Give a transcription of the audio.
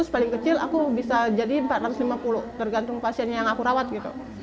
paling kecil aku bisa jadi empat ratus lima puluh tergantung pasien yang aku rawat gitu